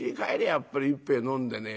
やっぱり一杯飲んで寝」。